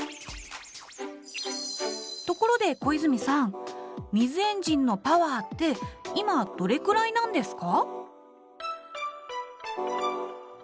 ところで小泉さん水エンジンのパワーって今どれくらいなんですか？